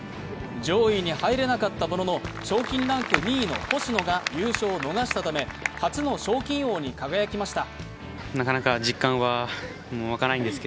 上位に入れなかったものの賞金ランク２位の星野が優勝を逃したため、初の賞金王に輝きました。